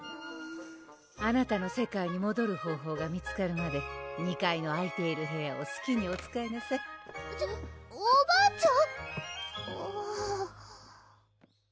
あなたの世界にもどる方法が見つかるまで２階の空いている部屋をすきにお使いなさいえっちょおばあちゃん！